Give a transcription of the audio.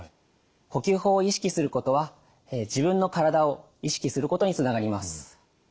呼吸法を意識することは自分のからだを意識することにつながります。